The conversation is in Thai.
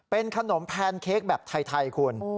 เป็นขนมแพนเค้กแบบไทยคุณ